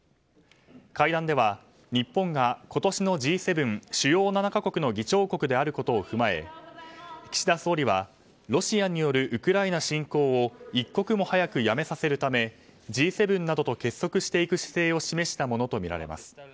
会談では日本が今年のＧ７・主要７か国の議長国であることを踏まえ岸田総理はロシアによるウクライナ侵攻を一刻も早くやめさせるためＧ７などと結束していく姿勢を示したものとみられます。